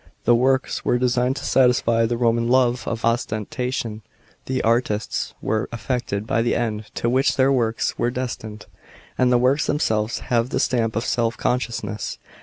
The works were designed to satisfy the Romm love of ostentation; the artists were affected by the end to which their works were destined, and the works themselves have the stamp of self consciousness.